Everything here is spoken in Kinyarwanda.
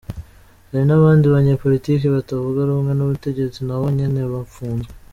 Hari n'abandi banyepolitike batavuga rumwe n'ubutegetsi nabo nyene bapfunzwe.